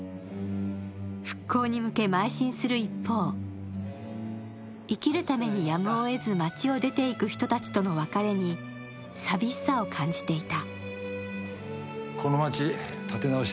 復興に向け、まい進する一方、生きるためにやむをえず街を出て行く人たちとの別れに寂しさを感じていた。